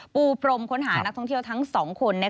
ปูพรมค้นหานักท่องเที่ยวทั้ง๒คน